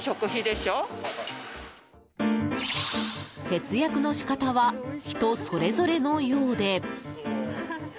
節約の仕方は人それぞれのようで。